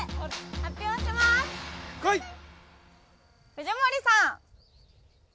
藤森さん。